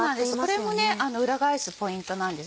これも裏返すポイントなんです。